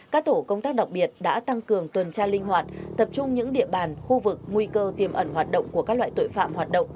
các tổ công tác đặc biệt đã tăng cường tuần tra linh hoạt tập trung những địa bàn khu vực nguy cơ tiềm ẩn hoạt động của các loại tội phạm hoạt động